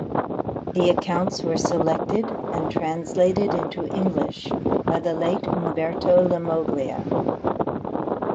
The accounts were selected and translated into English by the late Umberto Lammoglia.